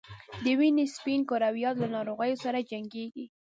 د وینې سپین کرویات له ناروغیو سره جنګیږي